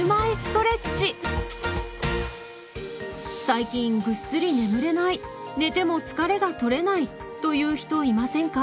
最近ぐっすり眠れない寝ても疲れがとれないという人いませんか？